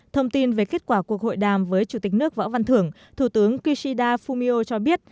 thông tin về kết quả cuộc hội đàm với chủ tịch nước võ văn thưởng thủ tướng kishida fumio cho biết